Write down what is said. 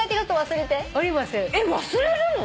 忘れるの？